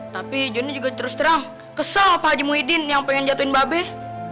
tapi jo ini juga terus terang kesel pak haji muhyiddin yang pengen jatuhin babes